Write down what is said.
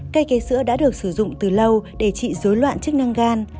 cây cấy sữa đã được sử dụng từ lâu để trị dối loạn chức năng gan